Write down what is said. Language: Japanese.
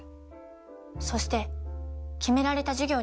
そして決められた授業に出席をする。